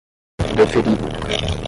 Deferido